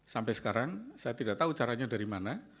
sampai sekarang saya tidak tahu caranya dari mana